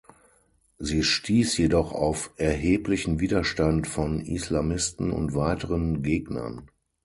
Sie stieß jedoch auf erheblichen Widerstand von Islamisten und weiteren Gegnern.